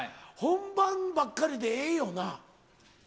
本番ばっかりでええよな？